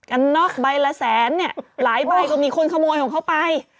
กันน็อกใบละแสนเนี่ยหลายใบก็มีคนขโมยของเขาไป